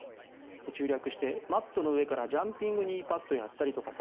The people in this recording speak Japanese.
中略して、マットの上からジャンピング・ニーパッドやったりとかさ。